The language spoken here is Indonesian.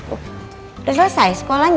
udah selesai sekolahnya